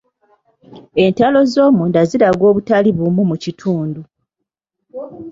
Entalo z'omunda ziraga obutali bumu mu kitundu.